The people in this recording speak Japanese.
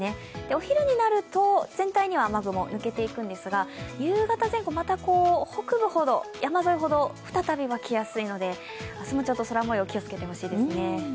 お昼になると全体には雨雲が抜けていくんですが、夕方前後、また北部、山沿いほど再びわきやすいので明日もちょっと空もようちょっと気をつけてほしいですね。